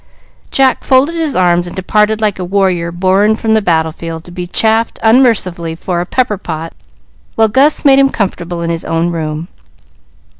Jack folded his arms and departed like a warrior borne from the battle field, to be chaffed unmercifully for a "pepper pot," while Gus made him comfortable in his own room.